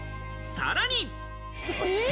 さらに。